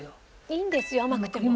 「いいんですよ甘くても」